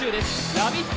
ラヴィット！